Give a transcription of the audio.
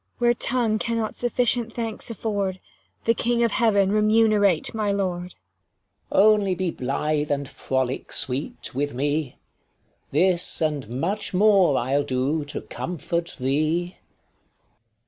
60 Cor. Where tongue cannot sufficient thanks afford, The King of heaven remunerate my lord. King. Only be blithe and frolic, sweet, with me ; This and much more I'll do to comfort thee.